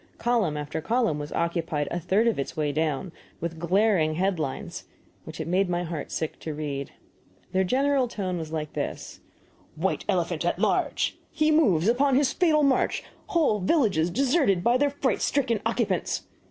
Column after column was occupied, a third of its way down, with glaring head lines, which it made my heart sick to read. Their general tone was like this: THE WHITE ELEPHANT AT LARGE! HE MOVES UPON HIS FATAL MARCH! WHOLE VILLAGES DESERTED BY THEIR FRIGHT STRICKEN OCCUPANTS!